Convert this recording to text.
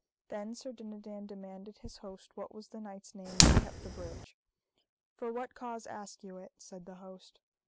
Then Sir Dinadan demanded his host what was the knight's name that kept the bridge. For what cause ask you it? said the host.